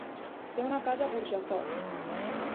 Té una casa a Burjassot.